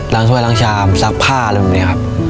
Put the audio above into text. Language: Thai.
ถ้วยล้างชามซักผ้าอะไรแบบนี้ครับ